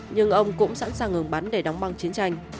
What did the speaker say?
nhưng ông cũng sẵn sàng ngừng bắn để đóng băng chiến tranh